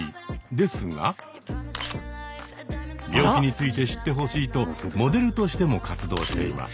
ですが病気について知ってほしいとモデルとしても活動しています。